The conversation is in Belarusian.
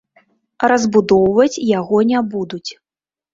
Разбудоўваць яго не будуць.